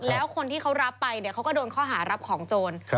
แล้วคนที่เขารับไปเนี่ยเขาก็โดนข้อหารับของโจร